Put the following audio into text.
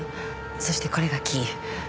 そしてこれが「き」